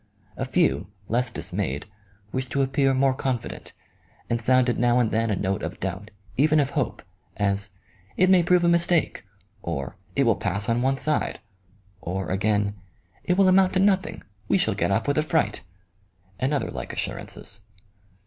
A few, less dismayed, wished to appear more confident, and sounded now and then a note of doubt, even of hope, as :" It may prove a mistake ;" or, u It will pass on one side ;" or, again :" It will amount to nothing ; we shall get off with a fright," and other like assurances.